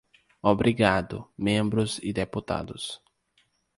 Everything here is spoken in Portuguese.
Obrigado, membros e deputados.